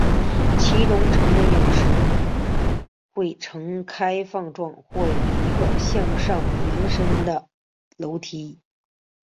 其中城门有时会呈开放状或有一个向上延伸的楼梯。